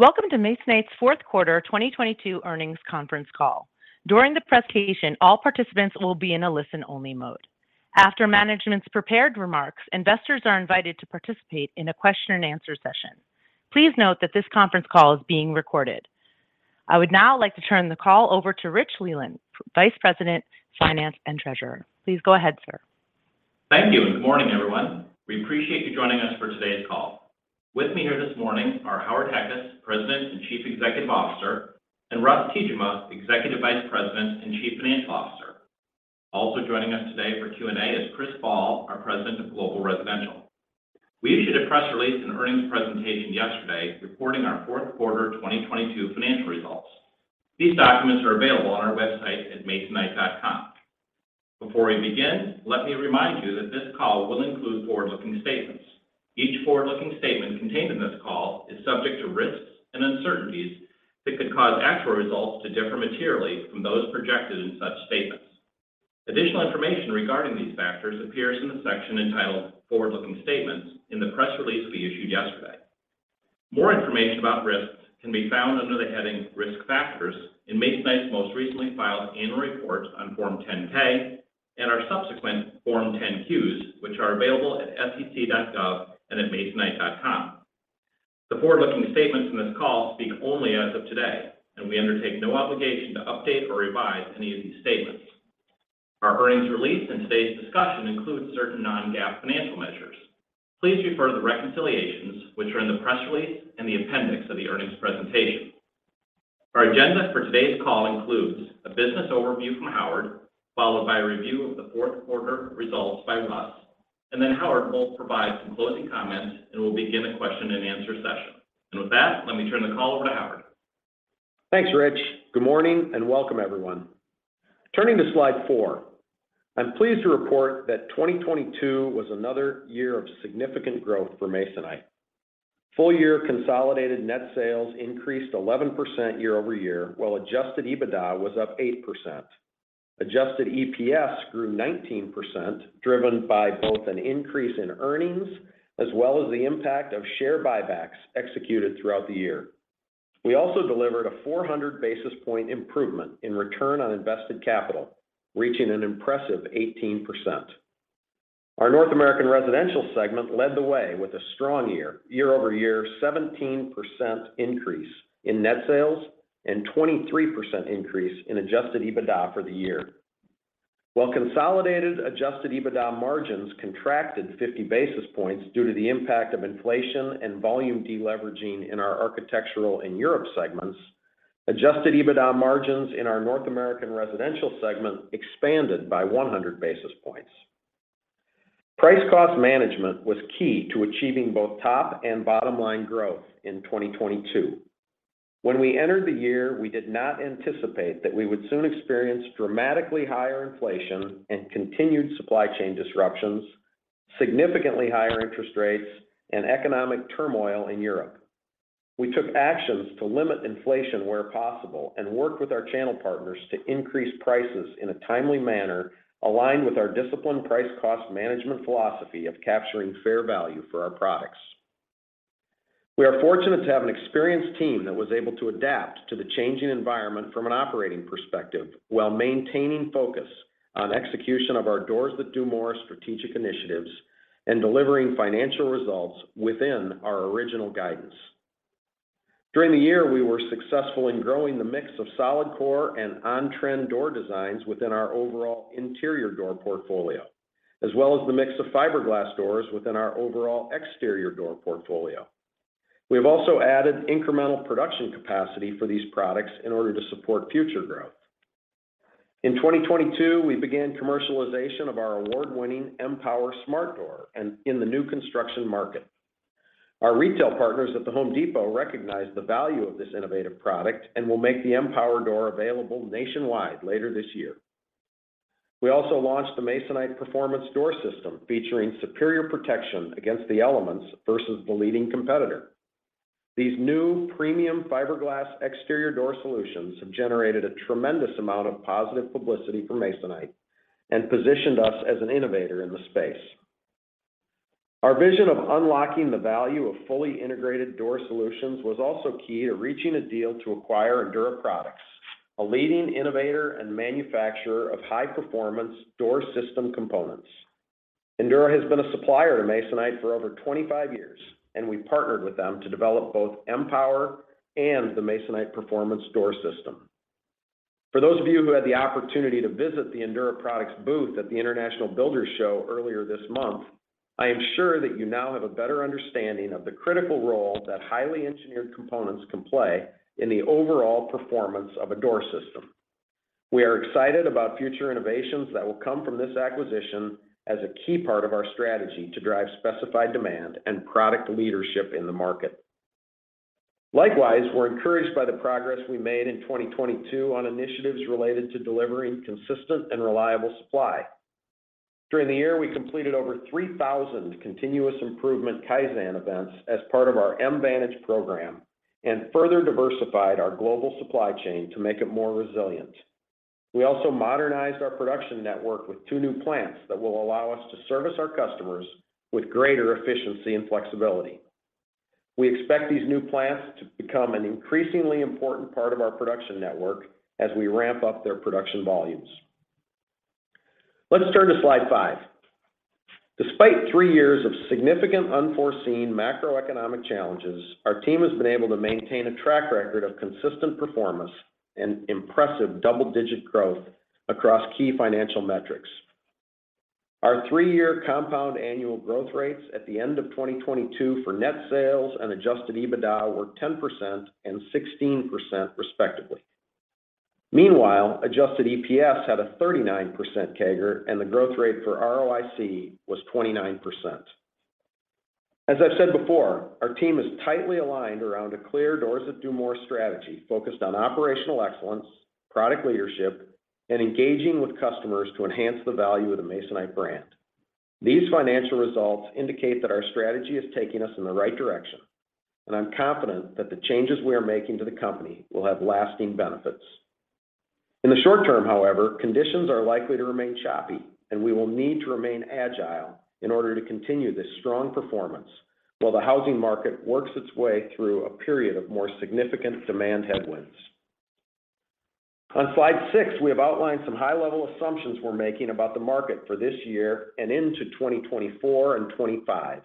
Welcome to Masonite's Q4 2022 earnings conference call. During the presentation, all participants will be in a listen-only mode. After management's prepared remarks, investors are invited to participate in a question-and-answer session. Please note that this conference call is being recorded. I would now like to turn the call over to Richard Leland, Vice President, Finance and Treasurer. Please go ahead, sir. Thank you. Good morning, everyone. We appreciate you joining us for today's call. With me here this morning are Howard Heckes, President and Chief Executive Officer, and Russell Tiejema, Executive Vice President and Chief Financial Officer. Also joining us today for Q&A is Chris Ball, our President of Global Residential. We issued a press release and earnings presentation yesterday reporting our Q4 2022 financial results. These documents are available on our website at masonite.com. Before we begin, let me remind you that this call will include forward-looking statements. Each forward-looking statement contained in this call is subject to risks and uncertainties that could cause actual results to differ materially from those projected in such statements. Additional information regarding these factors appears in the section entitled Forward-Looking Statements in the press release we issued yesterday. More information about risks can be found under the heading Risk Factors in Masonite's most recently filed annual report on Form 10-K and our subsequent Form 10-Q, which are available at sec.gov and at masonite.com. The forward-looking statements in this call speak only as of today. We undertake no obligation to update or revise any of these statements. Our earnings release and today's discussion includes certain non-GAAP financial measures. Please refer to the reconciliations which are in the press release and the appendix of the earnings presentation. Our agenda for today's call includes a business overview from Howard, followed by a review of the Q4 results by Russ. Howard will provide some closing comments and we'll begin a question-and-answer session. With that, let me turn the call over to Howard. Thanks, Rich. Good morning and welcome everyone. Turning to slide four, I'm pleased to report that 2022 was another year of significant growth for Masonite. Full year consolidated net sales increased 11% year-over-year, while adjusted EBITDA was up 8%. Adjusted EPS grew 19%, driven by both an increase in earnings as well as the impact of share buybacks executed throughout the year. We also delivered a 400 basis point improvement in return on invested capital, reaching an impressive 18%. Our North American Residential segment led the way with a strong year-over-year 17% increase in net sales and 23% increase in adjusted EBITDA for the year. While consolidated adjusted EBITDA margins contracted 50 basis points due to the impact of inflation and volume deleveraging in our Architectural and Europe segments, adjusted EBITDA margins in our North American Residential segment expanded by 100 basis points. Price cost management was key to achieving both top and bottom line growth in 2022. When we entered the year, we did not anticipate that we would soon experience dramatically higher inflation and continued supply chain disruptions, significantly higher interest rates and economic turmoil in Europe. We took actions to limit inflation where possible and worked with our channel partners to increase prices in a timely manner, aligned with our disciplined price cost management philosophy of capturing fair value for our products. We are fortunate to have an experienced team that was able to adapt to the changing environment from an operating perspective while maintaining focus on execution of our Doors That Do More strategic initiatives and delivering financial results within our original guidance. During the year, we were successful in growing the mix of solid core and on-trend door designs within our overall interior door portfolio, as well as the mix of fiberglass doors within our overall exterior door portfolio. We have also added incremental production capacity for these products in order to support future growth. In 2022, we began commercialization of our award-winning M-Pwr Smart Door in the new construction market. Our retail partners at The Home Depot recognize the value of this innovative product and will make the M-Pwr door available nationwide later this year. We also launched the Masonite Performance Door System, featuring superior protection against the elements versus the leading competitor. These new premium fiberglass exterior door solutions have generated a tremendous amount of positive publicity for Masonite and positioned us as an innovator in the space. Our vision of unlocking the value of fully integrated door solutions was also key to reaching a deal to acquire Endura Products, a leading innovator and manufacturer of high-performance door system components. Endura has been a supplier to Masonite for over 25 years, and we partnered with them to develop both M-Pwr and the Masonite Performance Door System. For those of you who had the opportunity to visit the Endura Products booth at the International Builders' Show earlier this month, I am sure that you now have a better understanding of the critical role that highly engineered components can play in the overall performance of a door system. We are excited about future innovations that will come from this acquisition as a key part of our strategy to drive specified demand and product leadership in the market. Likewise, we're encouraged by the progress we made in 2022 on initiatives related to delivering consistent and reliable supply. During the year, we completed over 3,000 continuous improvement Kaizen events as part of our MVantage program and further diversified our global supply chain to make it more resilient. We also modernized our production network with two new plants that will allow us to service our customers with greater efficiency and flexibility. We expect these new plants to become an increasingly important part of our production network as we ramp up their production volumes. Let's turn to slide five. Despite three years of significant unforeseen macroeconomic challenges, our team has been able to maintain a track record of consistent performance and impressive double-digit growth across key financial metrics. Our three year compound annual growth rates at the end of 2022 for net sales and adjusted EBITDA were 10% and 16% respectively. Meanwhile, adjusted EPS had a 39% CAGR, and the growth rate for ROIC was 29%. As I've said before, our team is tightly aligned around a clear Doors That Do More strategy focused on operational excellence, product leadership, and engaging with customers to enhance the value of the Masonite brand. These financial results indicate that our strategy is taking us in the right direction, and I'm confident that the changes we are making to the company will have lasting benefits. In the short term, however, conditions are likely to remain choppy, and we will need to remain agile in order to continue this strong performance while the housing market works its way through a period of more significant demand headwinds. On slide six, we have outlined some high-level assumptions we're making about the market for this year and into 2024 and 2025.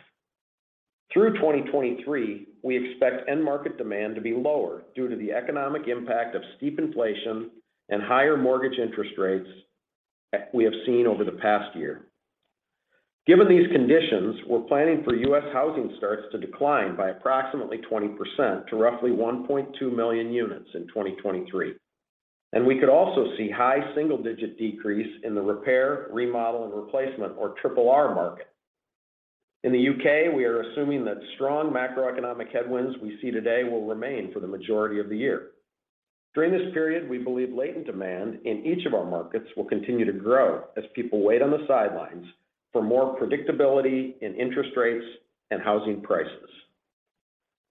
Through 2023, we expect end market demand to be lower due to the economic impact of steep inflation and higher mortgage interest rates we have seen over the past year. Given these conditions, we're planning for U.S. housing starts to decline by approximately 20% to roughly 1.2 million units in 2023, and we could also see high single-digit decrease in the repair, remodel, and replacement or Triple R market. In the U.K., we are assuming that strong macroeconomic headwinds we see today will remain for the majority of the year. During this period, we believe latent demand in each of our markets will continue to grow as people wait on the sidelines for more predictability in interest rates and housing prices.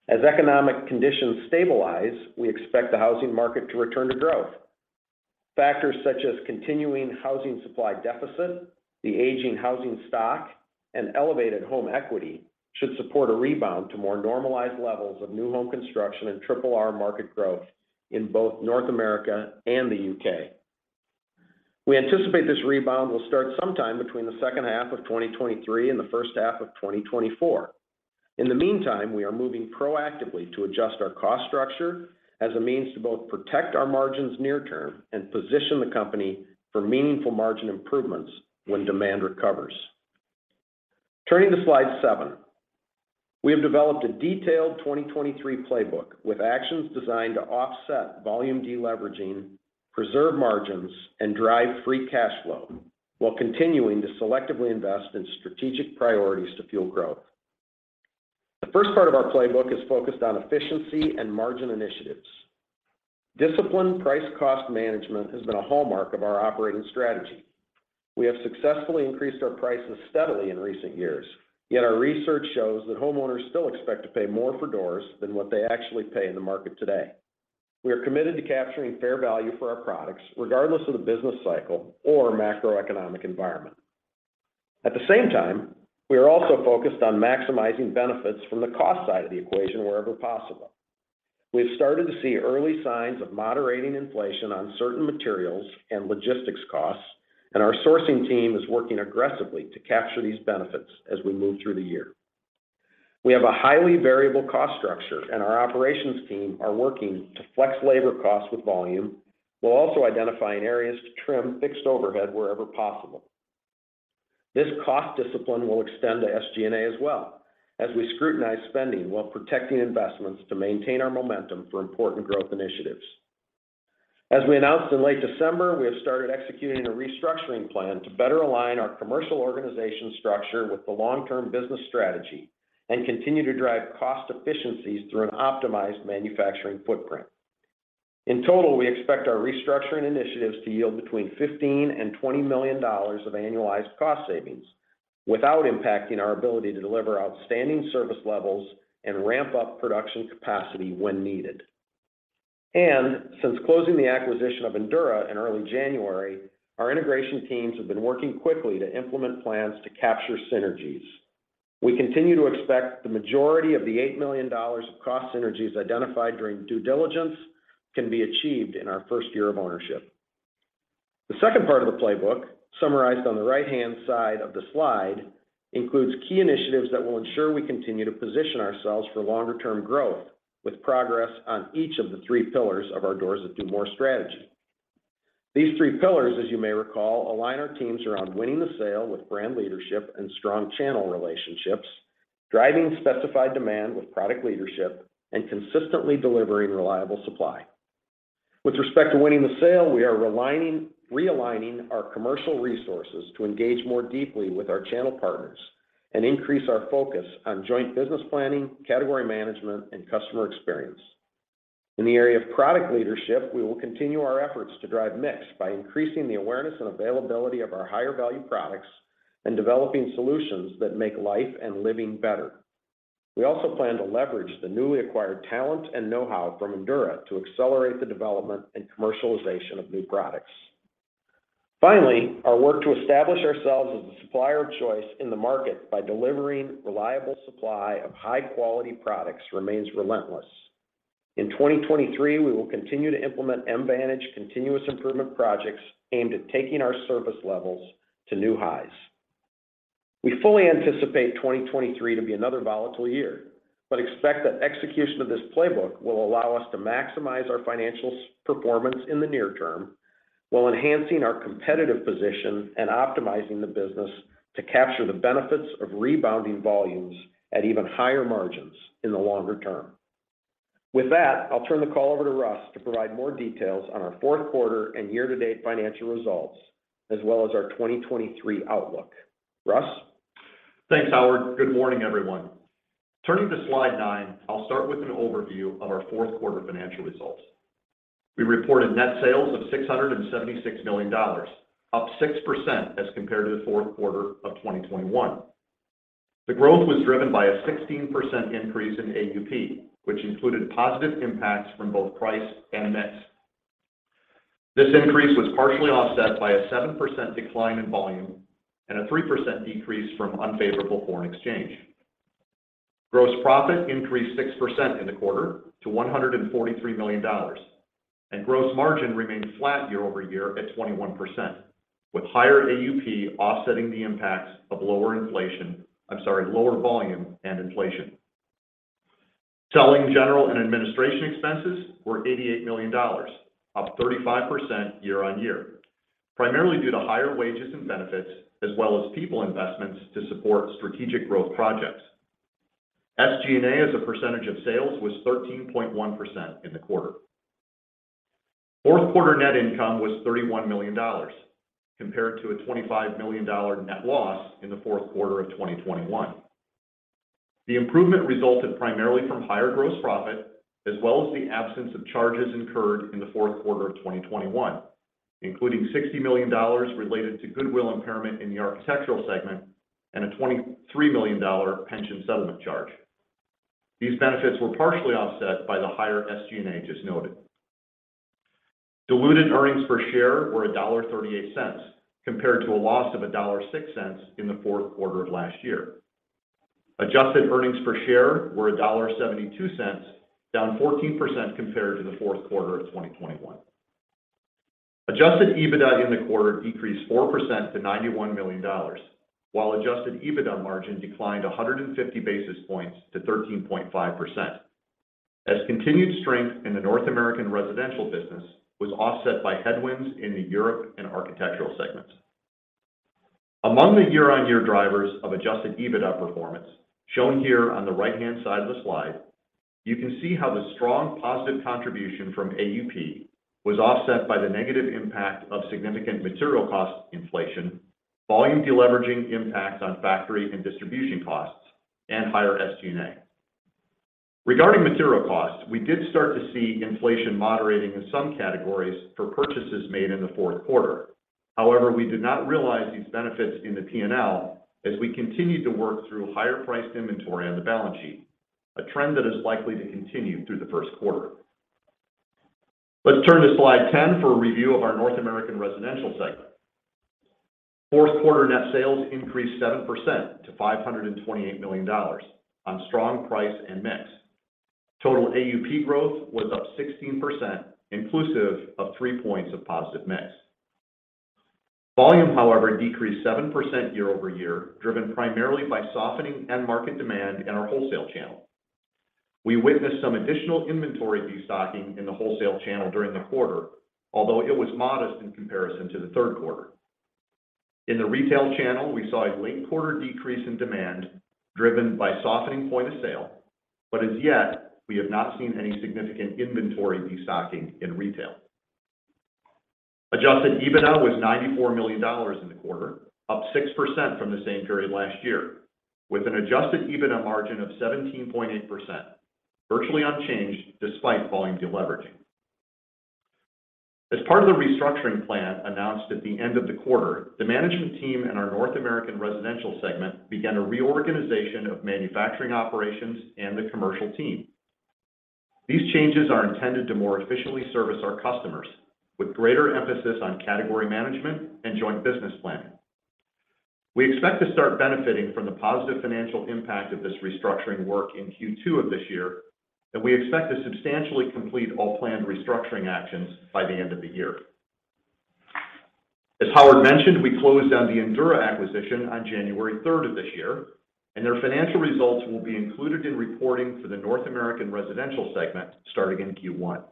As economic conditions stabilize, we expect the housing market to return to growth. Factors such as continuing housing supply deficit, the aging housing stock, and elevated home equity should support a rebound to more normalized levels of new home construction and Triple R market growth in both North America and the U.K.. We anticipate this rebound will start sometime between the second half of 2023 and the first half of 2024. In the meantime, we are moving proactively to adjust our cost structure as a means to both protect our margins near term and position the company for meaningful margin improvements when demand recovers. Turning to slide seven, we have developed a detailed 2023 playbook with actions designed to offset volume deleveraging, preserve margins, and drive free cash flow while continuing to selectively invest in strategic priorities to fuel growth. The first part of our playbook is focused on efficiency and margin initiatives. Disciplined price cost management has been a hallmark of our operating strategy. We have successfully increased our prices steadily in recent years, yet our research shows that homeowners still expect to pay more for doors than what they actually pay in the market today. We are committed to capturing fair value for our products regardless of the business cycle or macroeconomic environment. At the same time, we are also focused on maximizing benefits from the cost side of the equation wherever possible. We have started to see early signs of moderating inflation on certain materials and logistics costs, and our sourcing team is working aggressively to capture these benefits as we move through the year. We have a highly variable cost structure, and our operations team are working to flex labor costs with volume while also identifying areas to trim fixed overhead wherever possible. This cost discipline will extend to SG&A as well as we scrutinize spending while protecting investments to maintain our momentum for important growth initiatives. As we announced in late December, we have started executing a restructuring plan to better align our commercial organization structure with the long-term business strategy and continue to drive cost efficiencies through an optimized manufacturing footprint. In total, we expect our restructuring initiatives to yield between $15 million and $20 million of annualized cost savings without impacting our ability to deliver outstanding service levels and ramp up production capacity when needed. Since closing the acquisition of Endura in early January, our integration teams have been working quickly to implement plans to capture synergies. We continue to expect the majority of the $8 million of cost synergies identified during due diligence can be achieved in our first year of ownership. The second part of the playbook, summarized on the right-hand side of the slide, includes key initiatives that will ensure we continue to position ourselves for longer-term growth with progress on each of the three pillars of our Doors That Do More strategy. These three pillars, as you may recall, align our teams around winning the sale with brand leadership and strong channel relationships, driving specified demand with product leadership, and consistently delivering reliable supply. With respect to winning the sale, we are realigning our commercial resources to engage more deeply with our channel partners and increase our focus on joint business planning, category management, and customer experience. In the area of product leadership, we will continue our efforts to drive mix by increasing the awareness and availability of our higher-value products and developing solutions that make life and living better. We also plan to leverage the newly acquired talent and know-how from Endura to accelerate the development and commercialization of new products. Finally, our work to establish ourselves as the supplier of choice in the market by delivering reliable supply of high-quality products remains relentless. In 2023, we will continue to implement MVantage continuous improvement projects aimed at taking our service levels to new highs. We fully anticipate 2023 to be another volatile year, but expect that execution of this playbook will allow us to maximize our financial performance in the near term while enhancing our competitive position and optimizing the business to capture the benefits of rebounding volumes at even higher margins in the longer term. With that, I'll turn the call over to Russ to provide more details on our Q4 and year-to-date financial results, as well as our 2023 outlook. Russ? Thanks, Howard. Good morning, everyone. Turning to slide nine, I'll start with an overview of our Q4 financial results. We reported net sales of $676 million, up 6% as compared to the Q4 of 2021. The growth was driven by a 16% increase in AUP, which included positive impacts from both price and mix. This increase was partially offset by a 7% decline in volume and a 3% decrease from unfavorable foreign exchange. Gross profit increased 6% in the quarter to $143 million, and gross margin remained flat year-over-year at 21%, with higher AUP offsetting the impacts of lower volume and inflation. Selling, general, and administration expenses were $88 million, up 35% year-over-year, primarily due to higher wages and benefits as well as people investments to support strategic growth projects. SG&A as a percentage of sales was 13.1% in the quarter. Q4 net income was $31 million compared to a $25 million net loss in the Q4 of 2021. The improvement resulted primarily from higher gross profit as well as the absence of charges incurred in the Q4 of 2021, including $60 million related to goodwill impairment in the architectural segment and a $23 million pension settlement charge. These benefits were partially offset by the higher SG&A just noted. Diluted earnings per share were $1.38 compared to a loss of $1.06 in the Q4 of last year. Adjusted earnings per share were $1.72, down 14% compared to the Q4 of 2021. Adjusted EBITDA in the quarter decreased 4% to $91 million while adjusted EBITDA margin declined 150 basis points to 13.5% as continued strength in the North American Residential business was offset by headwinds in the Europe and architectural segments. Among the year-on-year drivers of adjusted EBITDA performance shown here on the right-hand side of the slide, you can see how the strong positive contribution from AUP was offset by the negative impact of significant material cost inflation, volume deleveraging impacts on factory and distribution costs, and higher SG&A. Regarding material costs, we did start to see inflation moderating in some categories for purchases made in the fourth quarter. We did not realize these benefits in the P&L as we continued to work through higher-priced inventory on the balance sheet, a trend that is likely to continue through the Q1. Let's turn to slide 10 for a review of our North American Residential segment. Q4 net sales increased 7% to $528 million on strong price and mix. Total AUP growth was up 16% inclusive of three points of positive mix. Volume, however, decreased 7% year-over-year, driven primarily by softening end market demand in our wholesale channel. We witnessed some additional inventory destocking in the wholesale channel during the quarter, although it was modest in comparison to the Q3. In the retail channel, we saw a late quarter decrease in demand driven by softening point of sale. As yet, we have not seen any significant inventory destocking in retail. Adjusted EBITDA was $94 million in the quarter, up 6% from the same period last year, with an adjusted EBITDA margin of 17.8%, virtually unchanged despite volume deleveraging. As part of the restructuring plan announced at the end of the quarter, the management team in our North American Residential segment began a reorganization of manufacturing operations and the commercial team. These changes are intended to more efficiently service our customers with greater emphasis on category management and joint business planning. We expect to start benefiting from the positive financial impact of this restructuring work in Q2 of this year, and we expect to substantially complete all planned restructuring actions by the end of the year. As Howard mentioned, we closed on the Endura acquisition on January 3rd of this year, and their financial results will be included in reporting for the North American Residential segment starting in Q1.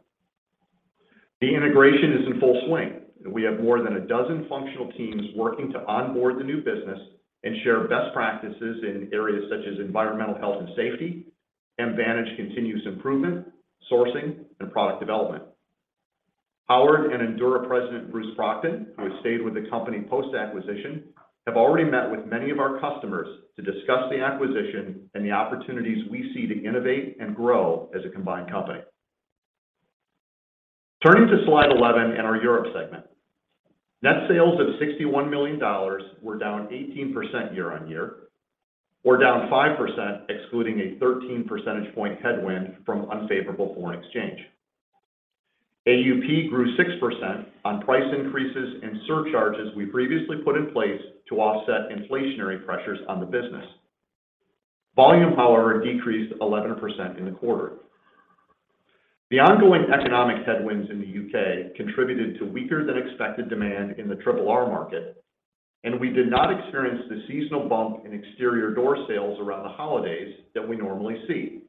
The integration is in full swing, and we have more than a dozen functional teams working to onboard the new business and share best practices in areas such as environmental health and safety, MVantage continuous improvement, sourcing, and product development. Howard and Endura President Bruce Procton, who has stayed with the company post-acquisition, have already met with many of our customers to discuss the acquisition and the opportunities we see to innovate and grow as a combined company. Turning to slide 11 in our Europe segment. Net sales of $61 million were down 18% year-over-year, or down 5% excluding a 13 percentage point headwind from unfavorable foreign exchange. AUP grew 6% on price increases and surcharges we previously put in place to offset inflationary pressures on the business. Volume, however, decreased 11% in the quarter. The ongoing economic headwinds in the U.K. contributed to weaker than expected demand in the triple R market. We did not experience the seasonal bump in exterior door sales around the holidays that we normally see.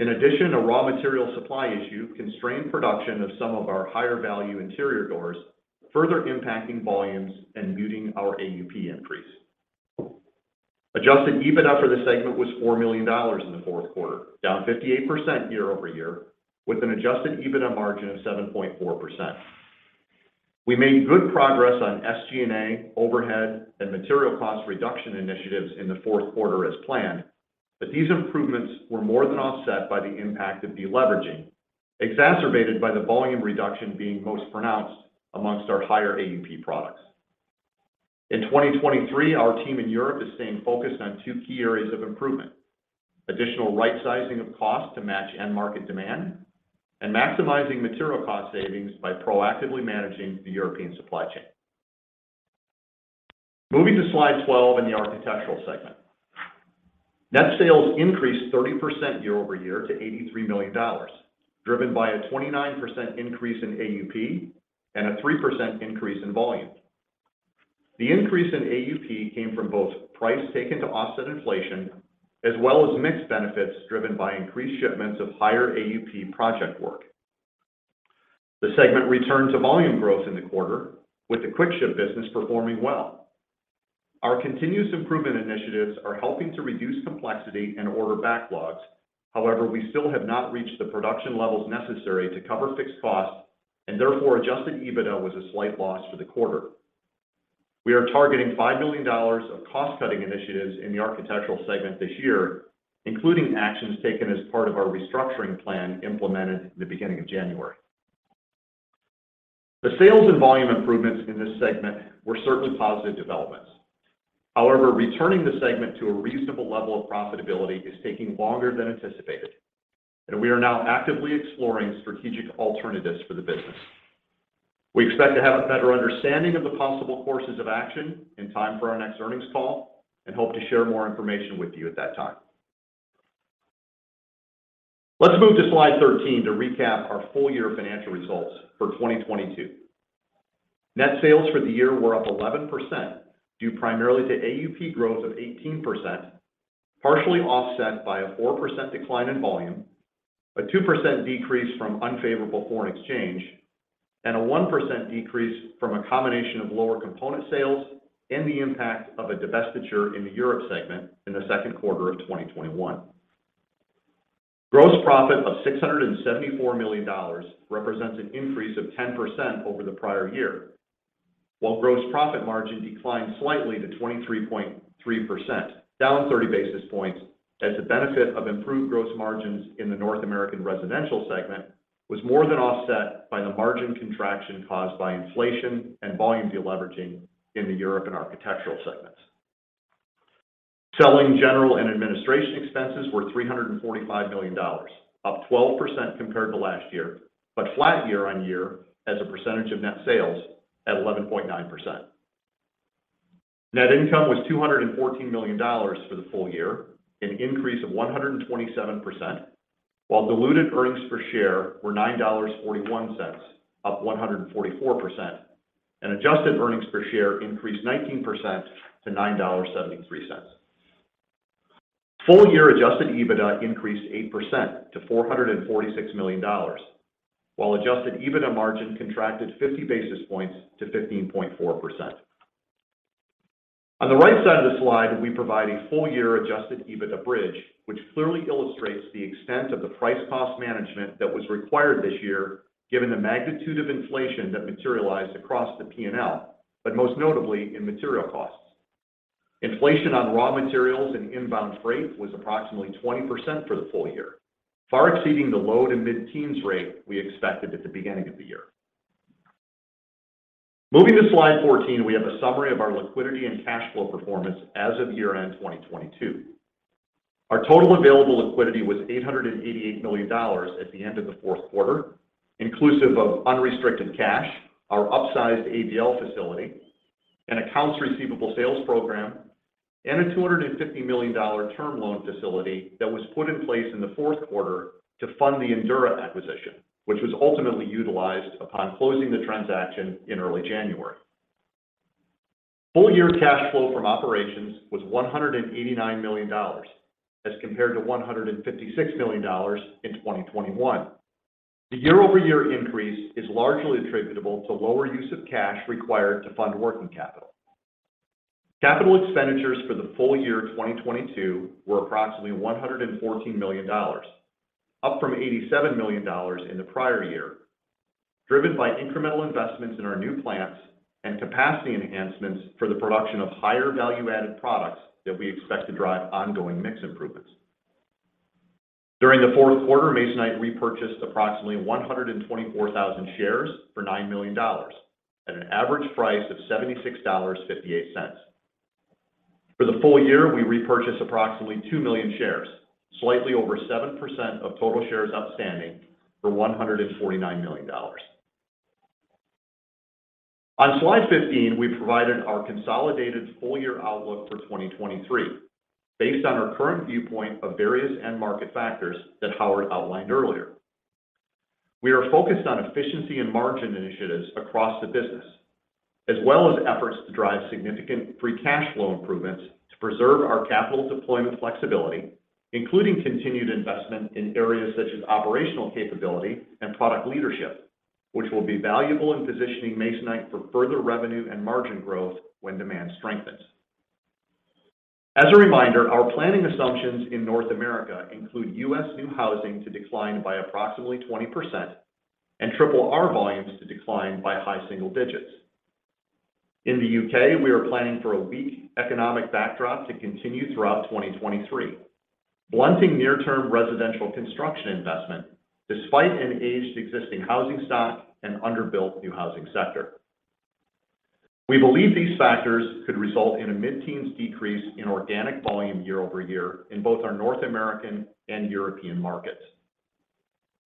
In addition, a raw material supply issue constrained production of some of our higher value interior doors, further impacting volumes and muting our AUP increase. Adjusted EBITDA for the segment was $4 million in the Q4, down 58% year-over-year, with an adjusted EBITDA margin of 7.4%. We made good progress on SG&A, overhead and material cost reduction initiatives in the Q4 as planned. These improvements were more than offset by the impact of deleveraging, exacerbated by the volume reduction being most pronounced amongst our higher AUP products. In 2023, our team in Europe is staying focused on two key areas of improvement: additional rightsizing of cost to match end market demand and maximizing material cost savings by proactively managing the European supply chain. Moving to slide 12 in the Architectural segment. Net sales increased 30% year-over-year to $83 million, driven by a 29% increase in AUP and a 3% increase in volume. The increase in AUP came from both price taken to offset inflation as well as mix benefits driven by increased shipments of higher AUP project work. The segment returned to volume growth in the quarter with the QuickShip business performing well. Our continuous improvement initiatives are helping to reduce complexity and order backlogs. We still have not reached the production levels necessary to cover fixed costs and therefore adjusted EBITDA was a slight loss for the quarter. We are targeting $5 million of cost cutting initiatives in the architectural segment this year, including actions taken as part of our restructuring plan implemented the beginning of January. The sales and volume improvements in this segment were certainly positive developments. Returning the segment to a reasonable level of profitability is taking longer than anticipated, and we are now actively exploring strategic alternatives for the business. We expect to have a better understanding of the possible courses of action in time for our next earnings call and hope to share more information with you at that time. Let's move to slide 13 to recap our full year financial results for 2022. Net sales for the year were up 11% due primarily to AUP growth of 18%, partially offset by a 4% decline in volume, a 2% decrease from unfavorable foreign exchange, and a 1% decrease from a combination of lower component sales and the impact of a divestiture in the Europe segment in the Q2 of 2021. Gross profit of $674 million represents an increase of 10% over the prior year. Gross profit margin declined slightly to 23.3%, down 30 basis points as the benefit of improved gross margins in the North American Residential segment was more than offset by the margin contraction caused by inflation and volume deleveraging in the Europe and Architectural segments. Selling, General and Administration Expenses were $345 million, up 12% compared to last year, but flat year-on-year as a percentage of net sales at 11.9%. Net income was $214 million for the full year, an increase of 127%. Diluted earnings per share were $9.41, up 144%. Adjusted earnings per share increased 19% to $9.73. Full year adjusted EBITDA increased 8% to $446 million, while adjusted EBITDA margin contracted 50 basis points to 15.4%. On the right side of the slide, we provide a full year adjusted EBITDA bridge, which clearly illustrates the extent of the price cost management that was required this year given the magnitude of inflation that materialized across the P&L, but most notably in material costs. Inflation on raw materials and inbound freight was approximately 20% for the full year, far exceeding the low to mid-teens rate we expected at the beginning of the year. Moving to slide 14, we have a summary of our liquidity and cash flow performance as of year end 2022. Our total available liquidity was $888 million at the end of the Q4, inclusive of unrestricted cash, our upsized ABL facility, an accounts receivable sales program, and a $250 million term loan facility that was put in place in the Q4 to fund the Endura acquisition, which was ultimately utilized upon closing the transaction in early January. Full year cash flow from operations was $189 million as compared to $156 million in 2021. The year-over-year increase is largely attributable to lower use of cash required to fund working capital. Capital expenditures for the full year 2022 were approximately $114 million, up from $87 million in the prior year, driven by incremental investments in our new plants and capacity enhancements for the production of higher value-added products that we expect to drive ongoing mix improvements. During the Q4, Masonite repurchased approximately 124,000 shares for $9 million at an average price of $76.58. For the full year, we repurchased approximately 2 million shares, slightly over 7% of total shares outstanding for $149 million. On slide 15, we've provided our consolidated full-year outlook for 2023 based on our current viewpoint of various end market factors that Howard outlined earlier. We are focused on efficiency and margin initiatives across the business, as well as efforts to drive significant free cash flow improvements to preserve our capital deployment flexibility, including continued investment in areas such as operational capability and product leadership, which will be valuable in positioning Masonite for further revenue and margin growth when demand strengthens. As a reminder, our planning assumptions in North America include U.S. new housing to decline by approximately 20% and Triple R volumes to decline by high single digits. In the U.K., we are planning for a weak economic backdrop to continue throughout 2023, blunting near-term residential construction investment despite an aged existing housing stock and under-built new housing sector. We believe these factors could result in a mid-teens decrease in organic volume year-over-year in both our North American and European markets.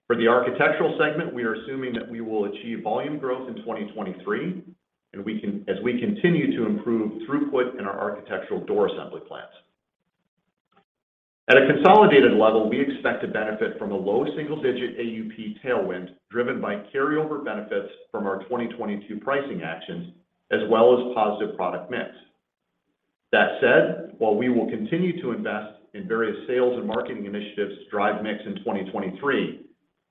For the architectural segment, we are assuming that we will achieve volume growth in 2023, as we continue to improve throughput in our architectural door assembly plants. At a consolidated level, we expect to benefit from a low single-digit AUP tailwind driven by carryover benefits from our 2022 pricing actions, as well as positive product mix. That said, while we will continue to invest in various sales and marketing initiatives to drive mix in 2023,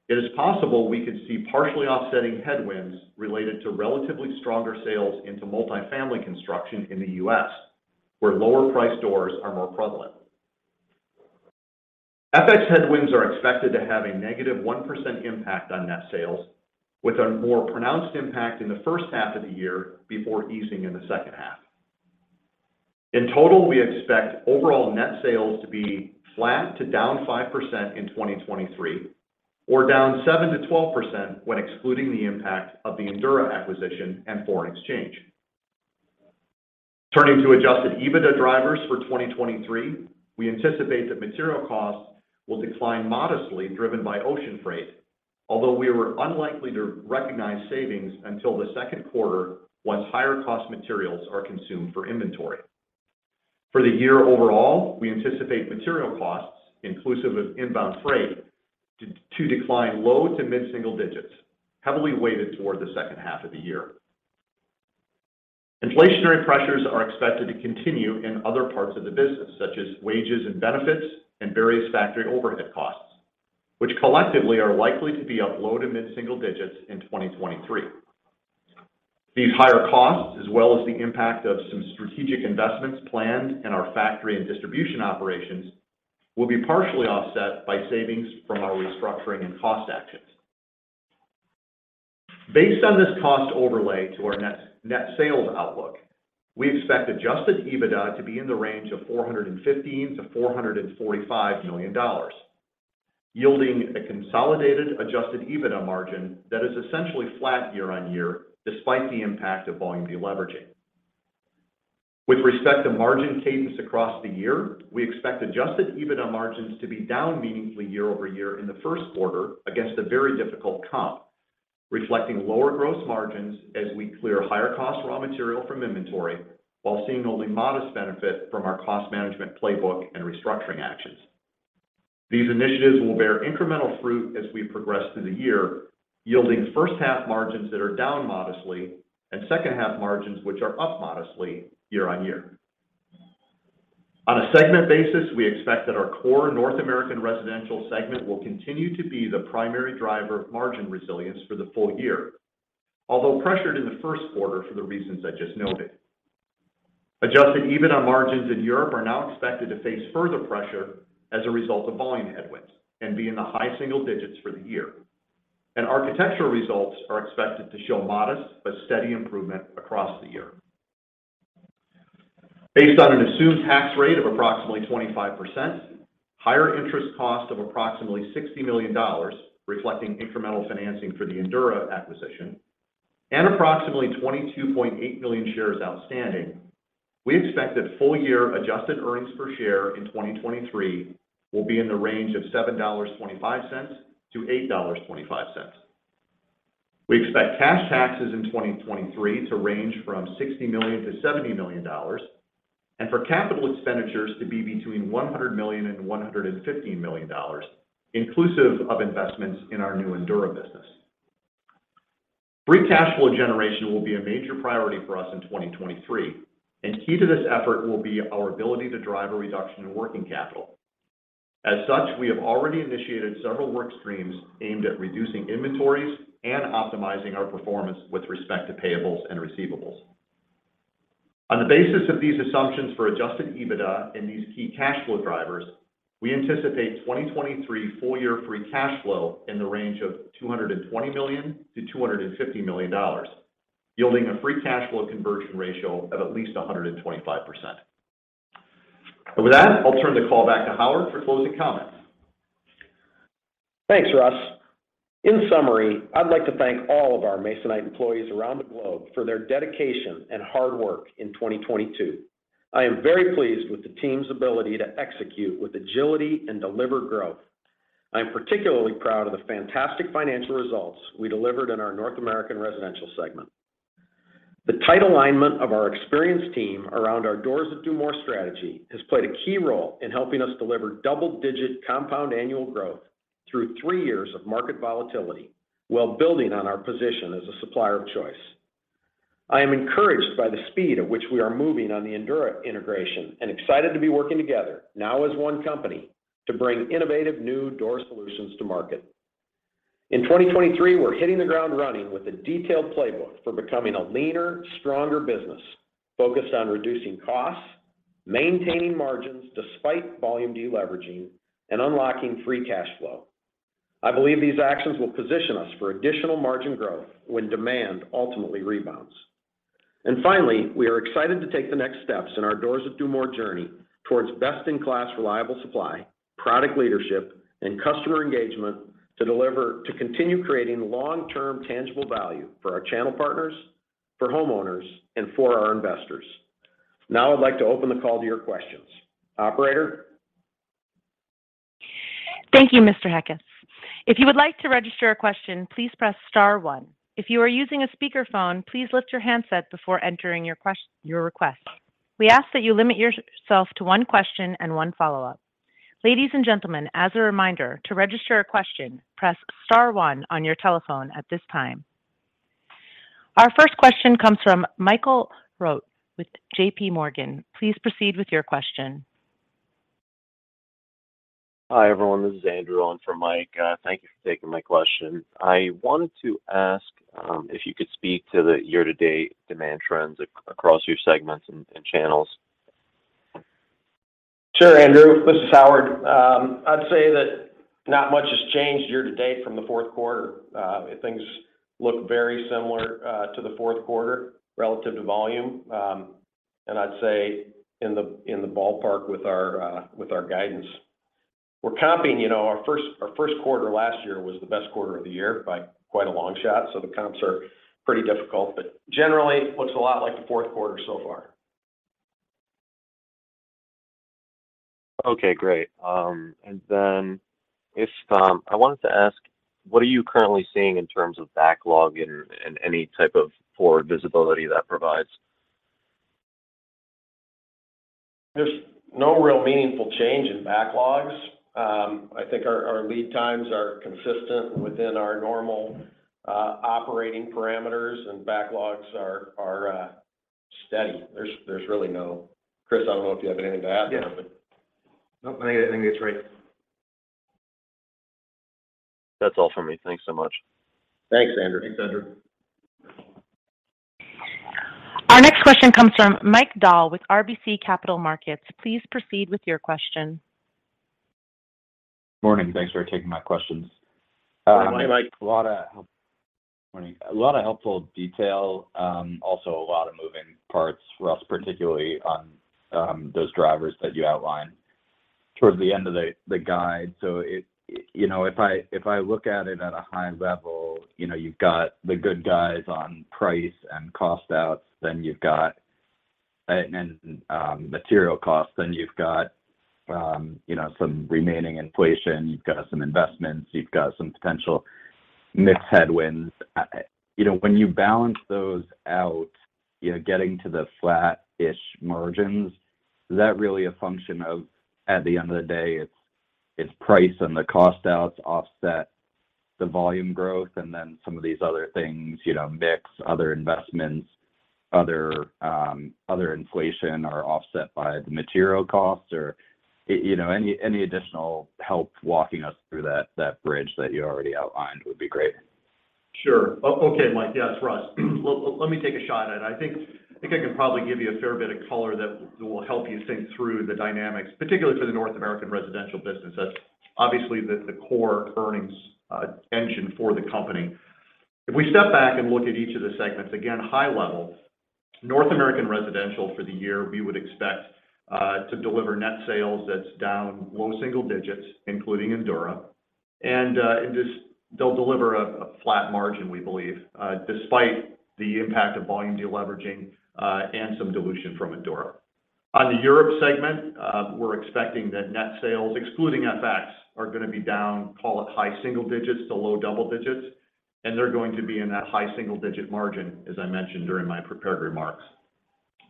it is possible we could see partially offsetting headwinds related to relatively stronger sales into multifamily construction in the U.S., where lower-priced doors are more prevalent. FX headwinds are expected to have a negative 1% impact on net sales, with a more pronounced impact in the first half of the year before easing in the second half. In total, we expect overall net sales to be flat to down 5% in 2023 or down 7%-12% when excluding the impact of the Endura acquisition and foreign exchange. Turning to adjusted EBITDA drivers for 2023, we anticipate that material costs will decline modestly, driven by ocean freight. Although we are unlikely to recognize savings until the Q2 once higher-cost materials are consumed for inventory. For the year overall, we anticipate material costs, inclusive of inbound freight, to decline low- to mid-single digits, heavily weighted toward the second half of the year. Inflationary pressures are expected to continue in other parts of the business, such as wages and benefits and various factory overhead costs, which collectively are likely to be up low to mid-single digits in 2023. These higher costs, as well as the impact of some strategic investments planned in our factory and distribution operations, will be partially offset by savings from our restructuring and cost actions. Based on this cost overlay to our net sales outlook, we expect adjusted EBITDA to be in the range of $415 million-$445 million, yielding a consolidated adjusted EBITDA margin that is essentially flat year-on-year despite the impact of volume deleveraging. With respect to margin cadence across the year, we expect adjusted EBITDA margins to be down meaningfully year-over-year in the first quarter against a very difficult comp, reflecting lower gross margins as we clear higher-cost raw material from inventory while seeing only modest benefit from our cost management playbook and restructuring actions. These initiatives will bear incremental fruit as we progress through the year, yielding first half margins that are down modestly and second half margins which are up modestly year-over-year. On a segment basis, we expect that our core North American Residential segment will continue to be the primary driver of margin resilience for the full year. Although pressured in the Q1 for the reasons I just noted. Adjusted EBITDA margins in Europe are now expected to face further pressure as a result of volume headwinds and be in the high single digits for the year. Architectural results are expected to show modest but steady improvement across the year. Based on an assumed tax rate of approximately 25%, higher interest cost of approximately $60 million, reflecting incremental financing for the Endura acquisition, and approximately 22.8 million shares outstanding, we expect that full-year adjusted earnings per share in 2023 will be in the range of $7.25-$8.25. We expect cash taxes in 2023 to range from $60 million-$70 million and for capital expenditures to be between $100 million and $115 million, inclusive of investments in our new Endura business. Free cash flow generation will be a major priority for us in 2023, and key to this effort will be our ability to drive a reduction in working capital. As such, we have already initiated several work streams aimed at reducing inventories and optimizing our performance with respect to payables and receivables. On the basis of these assumptions for adjusted EBITDA and these key cash flow drivers, we anticipate 2023 full-year free cash flow in the range of $220 million-$250 million. Yielding a free cash flow conversion ratio of at least 125%. With that, I'll turn the call back to Howard for closing comments. Thanks, Russ. In summary, I'd like to thank all of our Masonite employees around the globe for their dedication and hard work in 2022. I am very pleased with the team's ability to execute with agility and deliver growth. I'm particularly proud of the fantastic financial results we delivered in our North American Residential segment. The tight alignment of our experienced team around our Doors That Do More strategy has played a key role in helping us deliver double-digit compound annual growth through three years of market volatility while building on our position as a supplier of choice. I am encouraged by the speed at which we are moving on the Endura integration and excited to be working together, now as one company, to bring innovative new door solutions to market. In 2023, we're hitting the ground running with a detailed playbook for becoming a leaner, stronger business focused on reducing costs, maintaining margins despite volume deleveraging, and unlocking free cash flow. I believe these actions will position us for additional margin growth when demand ultimately rebounds. Finally, we are excited to take the next steps in our Doors that Do More journey towards best-in-class reliable supply, product leadership, and customer engagement to continue creating long-term tangible value for our channel partners, for homeowners, and for our investors. Now I'd like to open the call to your questions. Operator? Thank you, Mr. Heckes. If you would like to register a question, please press star one. If you are using a speakerphone, please lift your handset before entering your request. We ask that you limit yourself to one question and one follow-up. Ladies and gentlemen, as a reminder, to register a question, press star one on your telephone at this time. Our first question comes from Michael Rehaut with JPMorgan. Please proceed with your question. Hi, everyone. This is Andrew in for Mike. Thank you for taking my question. I wanted to ask if you could speak to the year-to-date demand trends across your segments and channels. Sure, Andrew. This is Howard. I'd say that not much has changed year-to-date from the Q4. Things look very similar to the Q4 relative to volume. I'd say in the ballpark with our guidance. We're comping, you know, Our Q1 last year was the best quarter of the year by quite a long shot, so the comps are pretty difficult, but generally looks a lot like the Q4 so far. Okay, great. I wanted to ask, what are you currently seeing in terms of backlog and any type of forward visibility that provides? There's no real meaningful change in backlogs. I think our lead times are consistent within our normal operating parameters, and backlogs are steady. There's really no. Chris, I don't know if you have anything to add there? Yeah. Nope. I think, I think that's right. That's all for me. Thanks so much. Thanks, Andrew. Thanks, Andrew. Our next question comes from Mike Dahl with RBC Capital Markets. Please proceed with your question. Morning. Thanks for taking my questions. Morning, Mike. Morning. A lot of helpful detail, also a lot of moving parts, Russ, particularly on those drivers that you outlined towards the end of the guide. You know, if I look at it at a high level, you know, you've got the good guys on price and cost outs, then you've got and material costs, then you've got, you know, some remaining inflation. You've got some investments. You've got some potential mix headwinds. You know, when you balance those out, you know, getting to the flat-ish margins, is that really a function of, at the end of the day, it's price and the cost outs offset the volume growth and then some of these other things, you know, mix other investments, other other inflation are offset by the material costs? You know, any additional help walking us through that bridge that you already outlined would be great. Sure. Okay, Mike. Yes, Russ. Well, let me take a shot at it. I think I can probably give you a fair bit of color that will help you think through the dynamics, particularly for the North American Residential business. That's obviously the core earnings engine for the company. If we step back and look at each of the segments, again, high level, North American Residential for the year, we would expect to deliver net sales that's down low single digits, including Endura. They'll deliver a flat margin, we believe, despite the impact of volume deleveraging, and some dilution from Endura. On the Europe segment, we're expecting that net sales, excluding FX, are gonna be down, call it high single digits to low double digits, and they're going to be in that high single-digit margin, as I mentioned during my prepared remarks.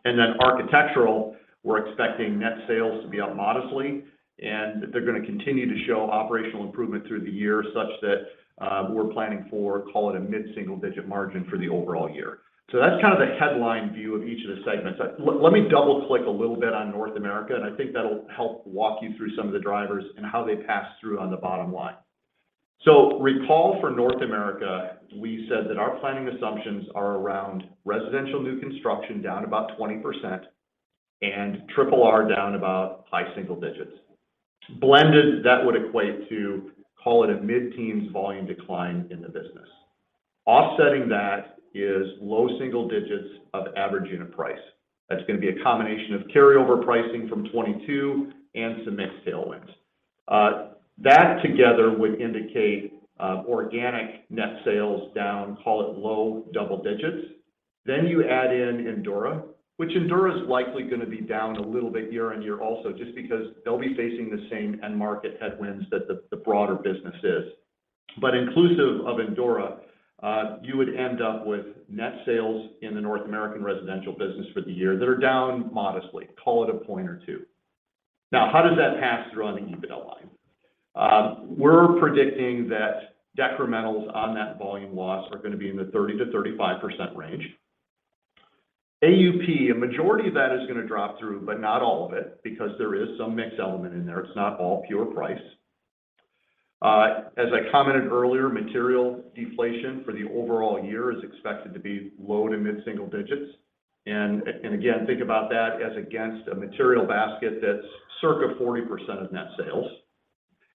Then Architectural, we're expecting net sales to be up modestly, and they're gonna continue to show operational improvement through the year such that we're planning for, call it a mid-single-digit margin for the overall year. That's kind of the headline view of each of the segments. Let me double-click a little bit on North America, and I think that'll help walk you through some of the drivers and how they pass through on the bottom line. Recall for North America, we said that our planning assumptions are around residential new construction down about 20%. Triple R down about high single digits. Blended, that would equate to call it a mid-teens volume decline in the business. Offsetting that is low single digits of average unit price. That's gonna be a combination of carryover pricing from 2022 and some mix tailwind. That together would indicate organic net sales down, call it low double digits. You add in Endura, which Endura is likely gonna be down a little bit year-over-year also just because they'll be facing the same end market headwinds that the broader business is. Inclusive of Endura, you would end up with net sales in the North American Residential business for the year that are down modestly, call it a point or two. How does that pass through on the EBIT line? We're predicting that decrementals on that volume loss are gonna be in the 30%-35% range. AUP, a majority of that is gonna drop through, but not all of it because there is some mix element in there. It's not all pure price. As I commented earlier, material deflation for the overall year is expected to be low to mid-single digits. Again, think about that as against a material basket that's circa 40% of net sales.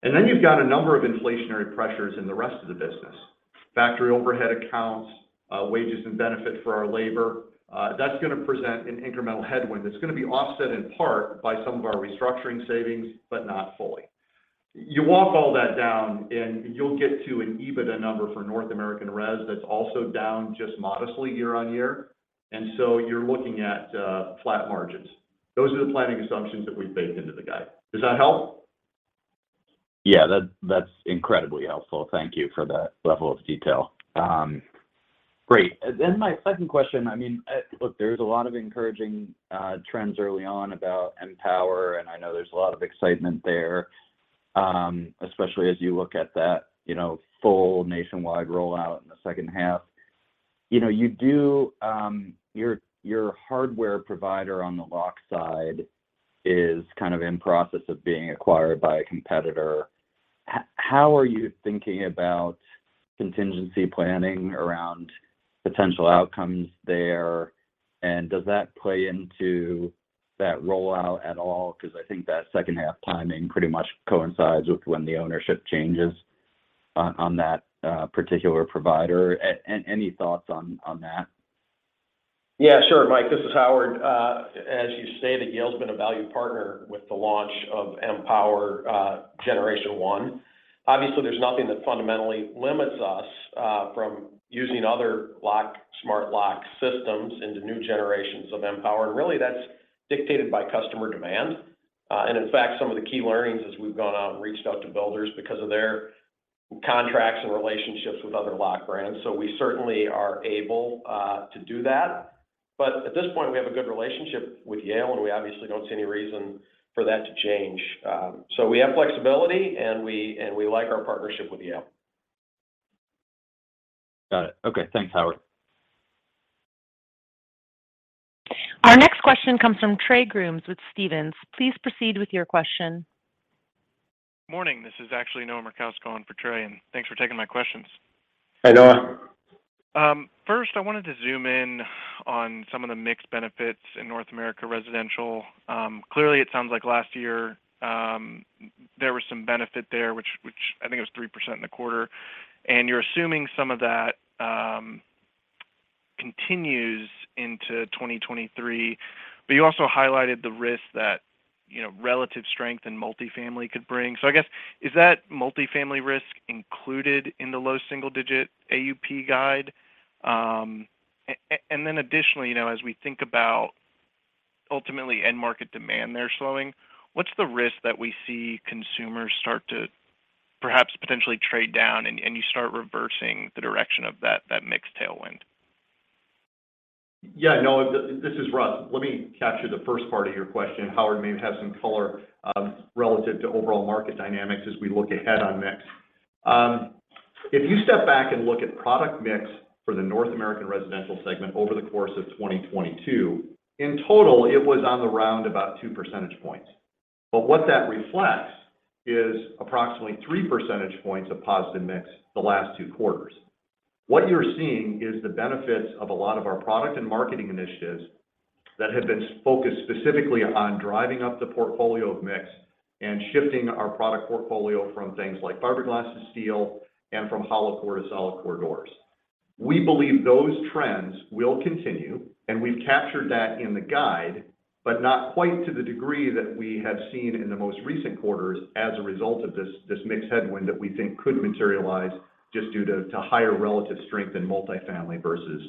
Then you've got a number of inflationary pressures in the rest of the business. Factory overhead accounts, wages and benefit for our labor, that's gonna present an incremental headwind that's gonna be offset in part by some of our restructuring savings, but not fully. You walk all that down and you'll get to an EBITDA number for North American res that's also down just modestly year-on-year. You're looking at flat margins. Those are the planning assumptions that we've baked into the guide. Does that help? Yeah. That's incredibly helpful. Thank you for that level of detail. Great. My second question, I mean, look, there's a lot of encouraging trends early on about M-Pwr, and I know there's a lot of excitement there, especially as you look at that, you know, full nationwide rollout in the second half. You know, you do, your hardware provider on the lock side is kind of in process of being acquired by a competitor. How are you thinking about contingency planning around potential outcomes there, and does that play into that rollout at all? Because I think that second half timing pretty much coincides with when the ownership changes on that particular provider. Any thoughts on that? Yeah, sure, Mike. This is Howard. As you say, that Yale Home's been a valued partner with the launch of M-Pwr, generation one. Obviously, there's nothing that fundamentally limits us from using other lock, smart lock systems into new generations of M-Pwr, and really that's dictated by customer demand. In fact, some of the key learnings as we've gone out and reached out to builders because of their contracts and relationships with other lock brands. We certainly are able to do that. At this point, we have a good relationship with Yale Home, and we obviously don't see any reason for that to change. We have flexibility, and we like our partnership with Yale Home. Got it. Okay. Thanks, Howard. Our next question comes from Trey Grooms with Stephens. Please proceed with your question. Morning. This is actually Noah Fumo on for Trey. Thanks for taking my questions. Hi, Noah. First, I wanted to zoom in on some of the mixed benefits in North American Residential. Clearly it sounds like last year, there was some benefit there, which I think it was 3% in the quarter. You're assuming some of that continues into 2023. You also highlighted the risk that, you know, relative strength in multifamily could bring. I guess, is that multifamily risk included in the low single digit AUP guide? Then additionally, you know, as we think about ultimately end market demand there slowing, what's the risk that we see consumers start to perhaps potentially trade down and you start reversing the direction of that mix tailwind? Yeah. Noah, this is Russ. Let me capture the first part of your question. Howard may have some color relative to overall market dynamics as we look ahead on mix. If you step back and look at product mix for the North American Residential segment over the course of 2022, in total, it was on the round about 2 percentage points. What that reflects is approximately 3 percentage points of positive mix the last two quarters. What you're seeing is the benefits of a lot of our product and marketing initiatives that have been focused specifically on driving up the portfolio of mix and shifting our product portfolio from things like fiberglass to steel and from hollow core to solid core doors. We believe those trends will continue, we've captured that in the guide, but not quite to the degree that we have seen in the most recent quarters as a result of this mix headwind that we think could materialize just due to higher relative strength in multifamily versus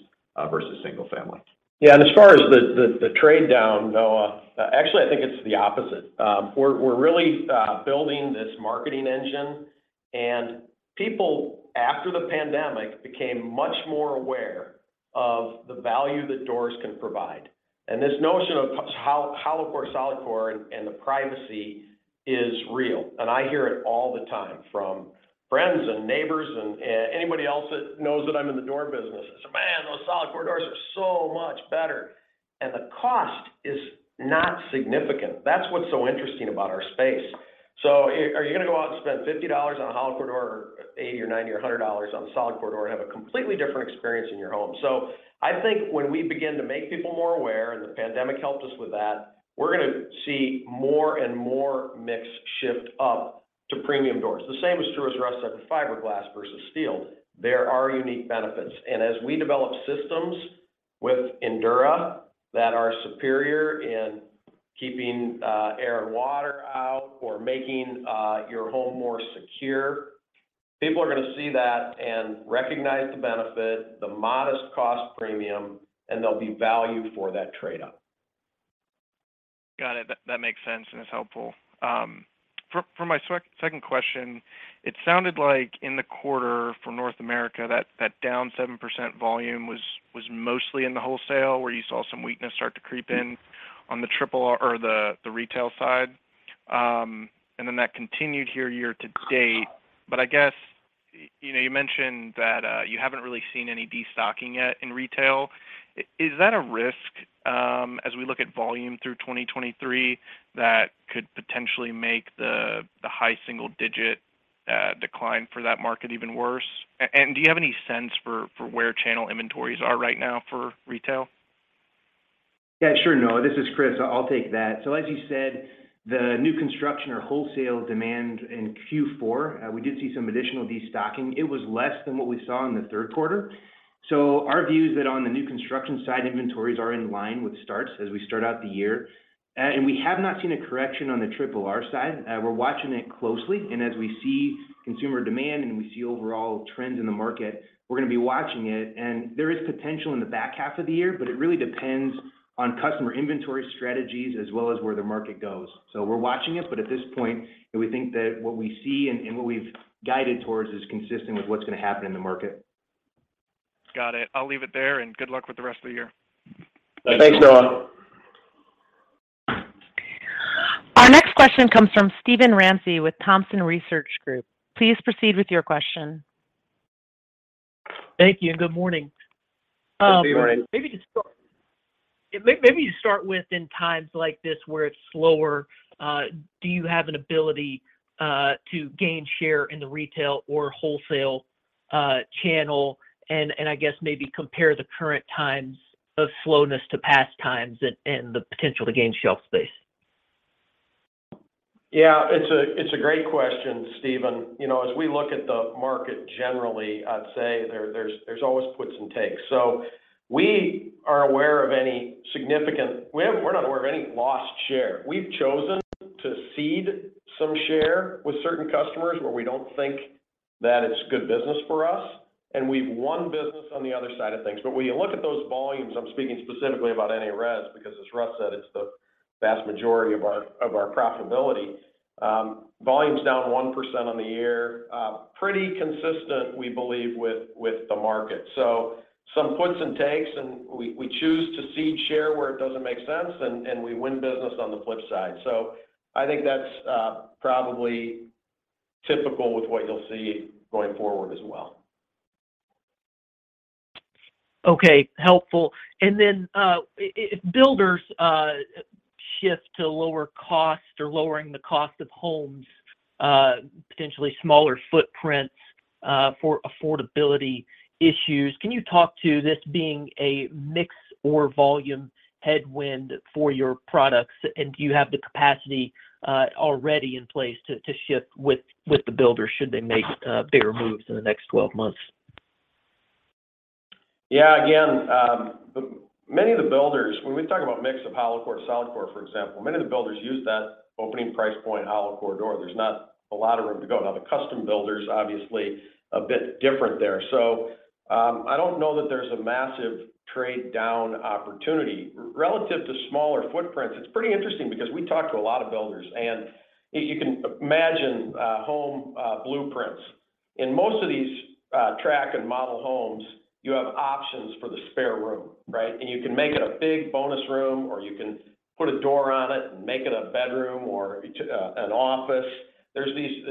single family. Yeah. As far as the trade down, Noah, actually, I think it's the opposite. We're really building this marketing engine. People, after the pandemic, became much more aware of the value that doors can provide. This notion of how hollow core, solid core and the privacy is real. I hear it all the time from friends and neighbors and anybody else that knows that I'm in the door business. They say, "Man, those solid core doors are so much better." The cost is not significant. That's what's so interesting about our space. Are you gonna go out and spend $50 on a hollow core door or $80 or $90 or $100 on a solid core door and have a completely different experience in your home? I think when we begin to make people more aware, and the pandemic helped us with that, we're gonna see more and more mix shift up to premium doors. The same is true as Russ said for fiberglass versus steel. There are unique benefits. As we develop systems with Endura that are superior in keeping air and water out or making your home more secure, people are gonna see that and recognize the benefit, the modest cost premium, and there'll be value for that trade up. Got it. That makes sense and it's helpful. For my second question, it sounded like in the quarter for North America that down 7% volume was mostly in the wholesale where you saw some weakness start to creep in on the Triple R or the retail side. That continued here year to date. I guess, you know, you mentioned that you haven't really seen any destocking yet in retail. Is that a risk as we look at volume through 2023 that could potentially make the high single-digit decline for that market even worse? Do you have any sense for where channel inventories are right now for retail? Yeah, sure, Noah. This is Chris, I'll take that. As you said, the new construction or wholesale demand in Q4, we did see some additional destocking. It was less than what we saw in the Q3. Our view is that on the new construction side, inventories are in line with starts as we start out the year. We have not seen a correction on the Triple R side. We're watching it closely. As we see consumer demand and we see overall trends in the market, we're gonna be watching it. There is potential in the back half of the year, but it really depends on customer inventory strategies as well as where the market goes. We're watching it, but at this point, we think that what we see and what we've guided towards is consistent with what's gonna happen in the market. Got it. I'll leave it there, and good luck with the rest of the year. Thanks, Noah. Thanks. Our next question comes from Steven Ramsey with Thompson Research Group. Please proceed with your question. Thank you, and good morning. Good morning. Maybe to start with in times like this where it's slower, do you have an ability to gain share in the retail or wholesale channel? I guess maybe compare the current times of slowness to past times and the potential to gain shelf space. Yeah, it's a great question, Steven. You know, as we look at the market generally, I'd say there's always puts and takes. We are not aware of any lost share. We've chosen to cede some share with certain customers where we don't think that it's good business for us, and we've won business on the other side of things. When you look at those volumes, I'm speaking specifically about NA Res, because as Russ said, it's the vast majority of our profitability. Volume's down 1% on the year, pretty consistent we believe with the market. Some puts and takes, and we choose to cede share where it doesn't make sense, and we win business on the flip side. I think that's probably typical with what you'll see going forward as well. Okay. Helpful. If builders shift to lower cost or lowering the cost of homes, potentially smaller footprints, for affordability issues, can you talk to this being a mix or volume headwind for your products? Do you have the capacity already in place to shift with the builders should they make bigger moves in the next 12 months? Again, when we talk about mix of hollow core, solid core, for example, many of the builders use that opening price point hollow core door. There's not a lot of room to go. The custom builders obviously a bit different there. I don't know that there's a massive trade down opportunity. Relative to smaller footprints, it's pretty interesting because we talk to a lot of builders, and if you can imagine, home blueprints. In most of these, track and model homes, you have options for the spare room, right? You can make it a big bonus room or you can put a door on it and make it a bedroom or an office. There's these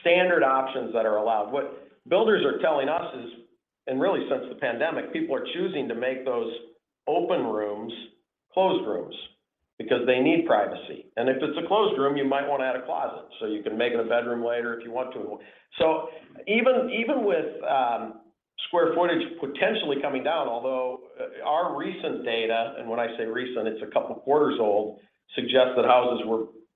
standard options that are allowed. What builders are telling us is, really since the pandemic, people are choosing to make those open rooms closed rooms because they need privacy. If it's a closed room, you might wanna add a closet, so you can make it a bedroom later if you want to. Even, even with square footage potentially coming down, although our recent data, and when I say recent, it's a couple quarters old, suggests that houses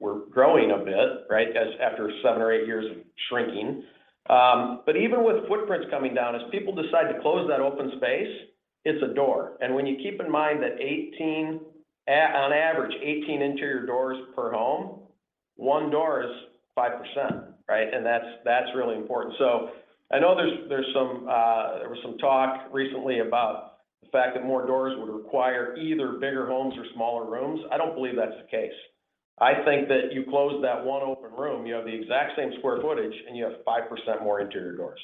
were growing a bit, right, as after seven or eight years of shrinking. Even with footprints coming down, as people decide to close that open space, it's a door. When you keep in mind that 18 on average 18 interior doors per home, one door is 5%, right? That's really important. I know there's some talk recently about the fact that more doors would require either bigger homes or smaller rooms. I don't believe that's the case. I think that you close that one open room, you have the exact same square footage and you have 5% more interior doors.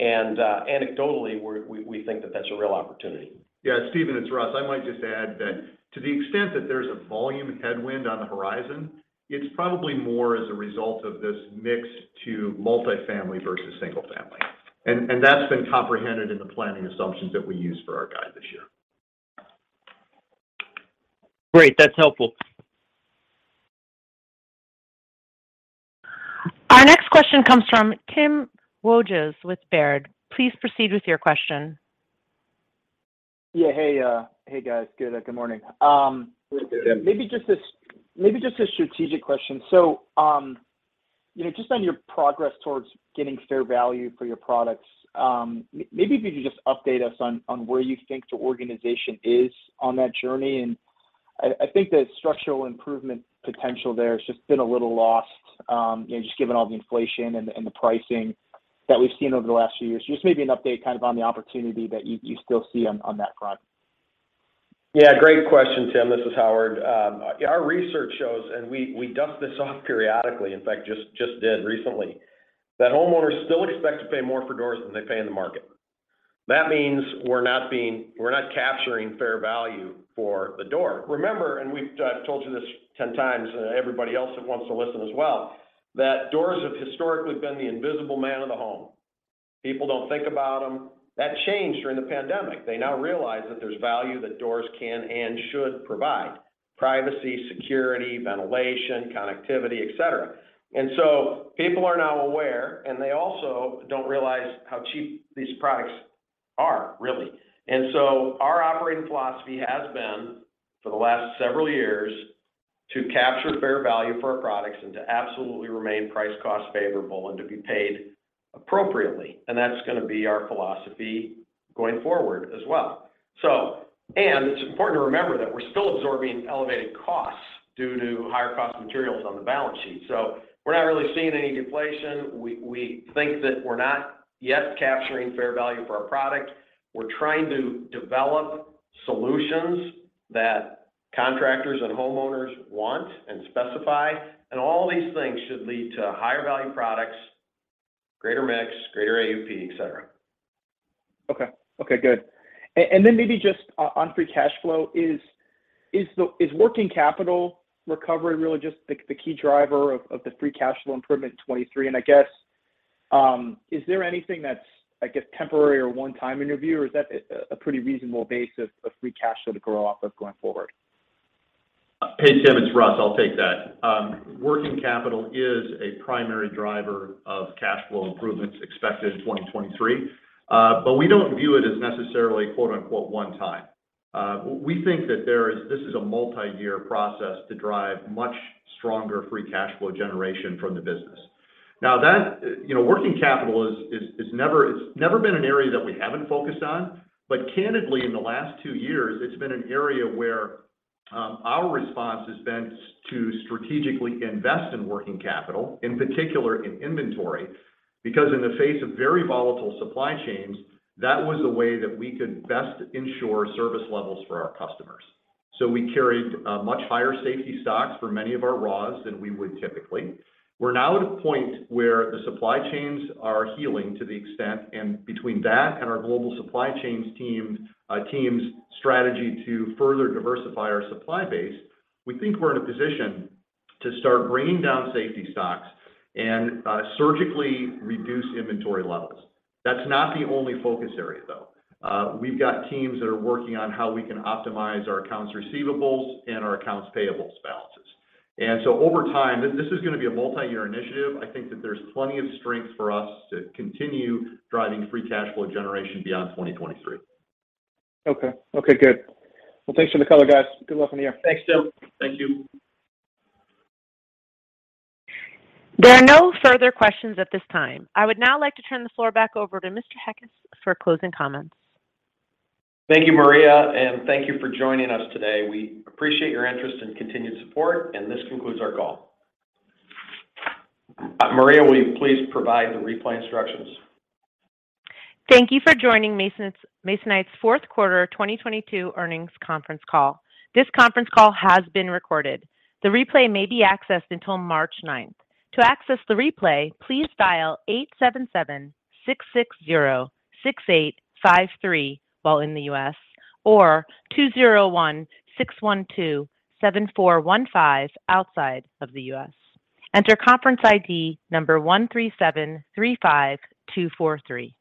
Anecdotally, we think that that's a real opportunity. Yeah. Steven, it's Russ. I might just add that to the extent that there's a volume headwind on the horizon, it's probably more as a result of this mix to multifamily versus single family. That's been comprehended in the planning assumptions that we used for our guide this year. Great. That's helpful. Our next question comes from Timothy Wojs with Baird. Please proceed with your question. Yeah. Hey, guys. Good morning. Maybe just a strategic question. You know, just on your progress towards getting fair value for your products, maybe if you could just update us on where you think the organization is on that journey. I think the structural improvement potential there has just been a little lost, you know, just given all the inflation and the pricing that we've seen over the last few years. Just maybe an update kind of on the opportunity that you still see on that front. Yeah, great question, Tim. This is Howard. Our research shows, we dust this off periodically, in fact, just did recently, that homeowners still expect to pay more for doors than they pay in the market. That means we're not capturing fair value for the door. Remember, we've told you this 10 times, everybody else that wants to listen as well, that doors have historically been the invisible man of the home. People don't think about them. That changed during the pandemic. They now realize that there's value that doors can and should provide: privacy, security, ventilation, connectivity, et cetera. People are now aware, and they also don't realize how cheap these products are, really. Our operating philosophy has been, for the last several years, to capture fair value for our products and to absolutely remain price cost favorable and to be paid appropriately. That's gonna be our philosophy going forward as well. It's important to remember that we're still absorbing elevated costs due to higher cost materials on the balance sheet. We're not really seeing any deflation. We think that we're not yet capturing fair value for our product. We're trying to develop solutions that contractors and homeowners want and specify. All these things should lead to higher value products, greater mix, greater AUP, et cetera. Okay. Okay, good. And then maybe just on free cash flow, is the working capital recovery really just the key driver of the free cash flow improvement in 2023? I guess, is there anything that's, I guess, temporary or one-time in your view, or is that a pretty reasonable base of free cash flow to grow off of going forward? Hey, Tim, it's Russ. I'll take that. Working capital is a primary driver of cash flow improvements expected in 2023, but we don't view it as necessarily, quote-unquote, "one time." We think that this is a multi-year process to drive much stronger free cash flow generation from the business. Now that, you know, working capital is never been an area that we haven't focused on. Candidly, in the last two years, it's been an area where our response has been to strategically invest in working capital, in particular in inventory, because in the face of very volatile supply chains, that was the way that we could best ensure service levels for our customers. We carried much higher safety stocks for many of our raws than we would typically. We're now at a point where the supply chains are healing to the extent. Between that and our global supply chains team's strategy to further diversify our supply base, we think we're in a position to start bringing down safety stocks and surgically reduce inventory levels. That's not the only focus area, though. We've got teams that are working on how we can optimize our accounts receivables and our accounts payables balances. Over time, this is gonna be a multi-year initiative. I think that there's plenty of strength for us to continue driving free cash flow generation beyond 2023. Okay. Okay, good. Well, thanks for the color, guys. Good luck on the year. Thanks, Tim. Thank you. There are no further questions at this time. I would now like to turn the floor back over to Mr. Heckes for closing comments. Thank you, Maria, and thank you for joining us today. We appreciate your interest and continued support, and this concludes our call. Maria, will you please provide the replay instructions? Thank you for joining Masonite's Q4 2022 earnings conference call. This conference call has been recorded. The replay may be accessed until March 9th. To access the replay, please dial 877-660-6853 while in the U.S., or 201-612-7415 outside of the U.S. Enter conference ID number 13735243.